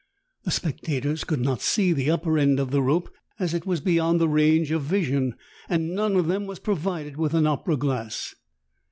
The spectators could not see the upper end of the rope, as it was beyond their range of vision and none of them was provided with an opera glass.